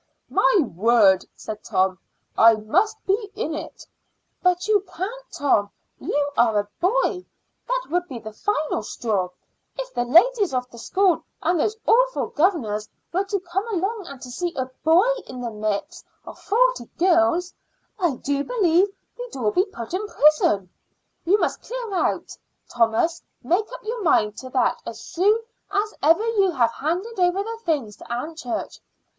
"My word," said Tom, "I must be in it!" "But you can't, Tom. You are a boy. That would be the final straw. If the ladies of the school and those awful governors were to come along and to see a boy in the midst of forty girls, I do believe we'd all be put in prison. You must clear out, Thomas; make up your mind to that as soon as ever you have handed over the things to Aunt Church."